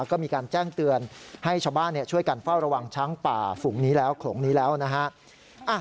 ก็มีการแจ้งเตือนให้ชาวบ้านช่วยกันเฝ้าระวังช้างป่าฝุงนี้แล้วโขลงนี้แล้วนะฮะ